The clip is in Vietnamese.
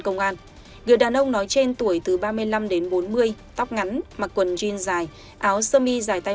công an người đàn ông nói trên tuổi từ ba mươi năm đến bốn mươi tóc ngắn mặc quần jean dài áo sơ mi dài tay